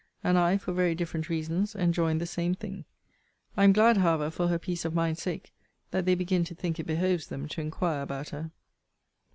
And I, for very different reasons, enjoined the same thing. I am glad, however, for her peace of mind's sake, that they begin to think it behoves them to inquire about her.